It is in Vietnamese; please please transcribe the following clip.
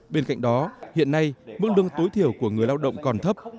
bên cạnh đó hiện nay mức lương tối thiểu của người lao động còn thấp